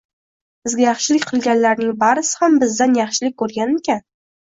bizga yaxshilik qilganlarning barisi ham bizdan yaxshilik ko’rganmikan?!.